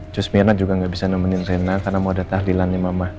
cus mirna juga gak bisa nemenin reyna karena mau ada tahlilan nih mama